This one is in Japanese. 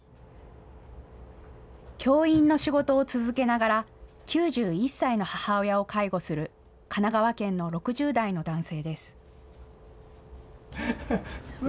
教員の仕事を続けながら９１歳の母親を介護する神奈川県の６０代の男性です。